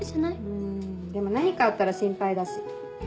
うんでも何かあったら心配だし。